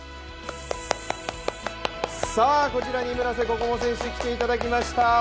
こちらに村瀬心椛選手来ていただきました。